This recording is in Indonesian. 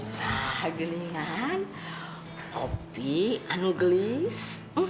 nah geningan opi anugelis